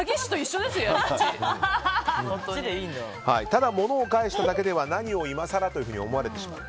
ただ、物を返しただけでは何をいまさらと思われてしまう。